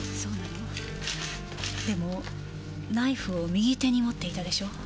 でもナイフを右手に持っていたでしょ？